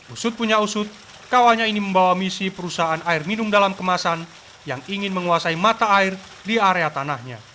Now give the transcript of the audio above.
usut punya usut kawannya ini membawa misi perusahaan air minum dalam kemasan yang ingin menguasai mata air di area tanahnya